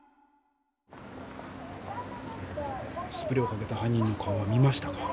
スプレーをかけた犯人の顔は見ましたか？